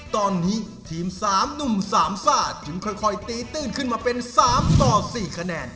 ตอนนี้ทีม๓หนุ่ม๓ฝ้าจึงค่อยตีตื้นขึ้นมาเป็น๓ต่อ๔คะแนน